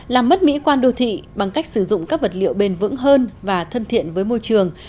làm mất mỹ quan đô thị bằng cách sử dụng các vật liệu bền vững hơn và thân thiện với môi trường